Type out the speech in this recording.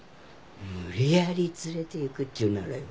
無理やり連れていくっちゅうならよ